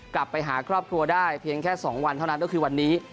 กลับไปหาครอบครัวได้เพียงแค่๒วันเท่านั้นก็คือวันนี้